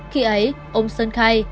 khi ấy ông sơn khai